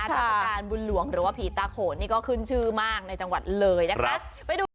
เทศกาลบุญหลวงหรือว่าผีตาโขนนี่ก็ขึ้นชื่อมากในจังหวัดเลยนะคะ